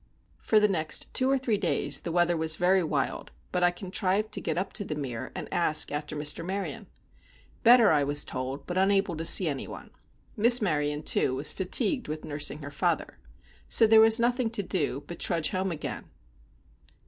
For the next two or three days the weather was very wild, but I contrived to get up to The Mere, and ask after Mr. Maryon. Better, I was told, but unable to see any one. Miss Maryon, too, was fatigued with nursing her father. So there was nothing to do but to trudge home again.